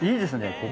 ここ。